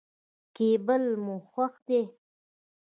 کېبل مو خوښ دی.